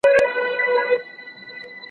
اقتصادي ثبات د ټولنې لپاره مهم دی.